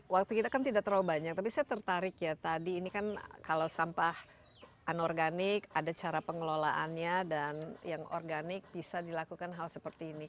waktu kita kan tidak terlalu banyak tapi saya tertarik ya tadi ini kan kalau sampah anorganik ada cara pengelolaannya dan yang organik bisa dilakukan hal seperti ini